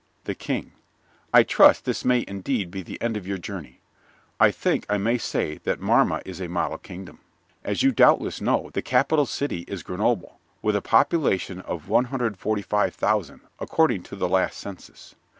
THE KING I trust this may indeed be the end of your journey. I think I may say that Marma is a model kingdom. As you doubtless know, the capital city is Grenoble, with a population of 145,000, according to the last census.